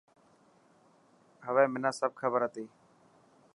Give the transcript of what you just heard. هوي منا سب کبر هتي.